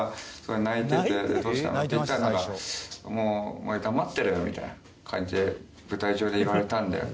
「“もうお前黙ってろよ！”みたいな感じで舞台上で言われたんだよ」